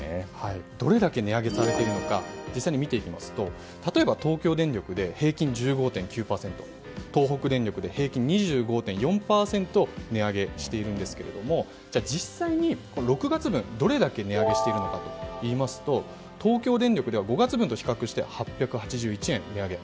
どれだけ値上げされているのか実際に見ていきますと例えば、東京電力で平均１５．９％東北電力で平均２５．４％値上げしているんですが実際に、６月分どれだけ値上げしているかといいますと東京電力では５月分と比較して８８１円値上げ。